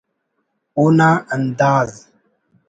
اونا انداز